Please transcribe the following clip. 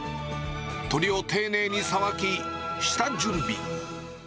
鶏を丁寧にさばき、下準備。